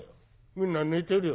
みんな寝てるよ。